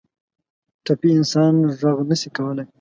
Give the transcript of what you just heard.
ټپي انسان غږ نه شي کولی.